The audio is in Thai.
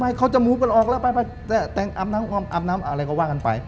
ไปเขาจะมูได้กะลอกแล้วอะไรก็ว่ากันไป